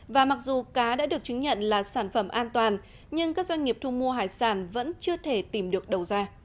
và mặc dù cá đã được chứng nhận là sản phẩm an toàn nhưng các doanh nghiệp thu mua hải sản vẫn chưa thể tìm được đầu ra